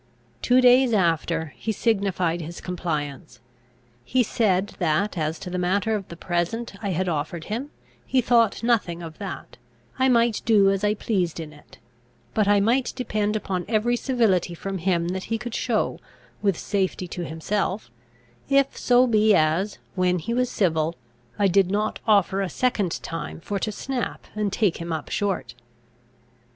Two days after, he signified his compliance. He said that, as to the matter of the present I had offered him, he thought nothing of that; I might do as I pleased in it; but I might depend upon every civility from him that he could show with safety to himself, if so be as, when he was civil, I did not offer a second time for to snap and take him up short.